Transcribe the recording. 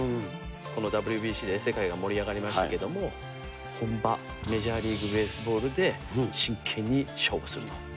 このＷＢＣで世界が盛り上がりましたけども、本場、メジャーリーグベースボールで真剣に勝負すると。